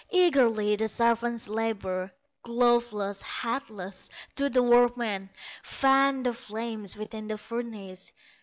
Eagerly the servants labor, Gloveless, hatless, do the workmen Fan the flames within the furnace.